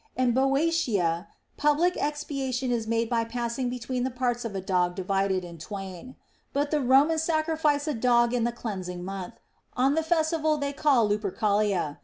In Boeotia public expiation is made by passing between the parts of a dog divided in twain. But the Romans sacrifice a dog in the cleansing month, on the festival which they call Lupercalia.